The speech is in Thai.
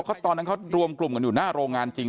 เพราะตอนนั้นเขารวมกลุ่มกันอยู่หน้าโรงงานจริง